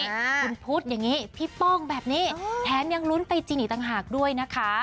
คุณพุทธอย่างนี้พี่ป้องแบบนี้แถมยังลุ้นไปจริงอีกต่างหากด้วยนะคะ